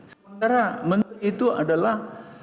sementara menteri itu adalah